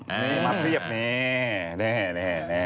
มาเรียบนี้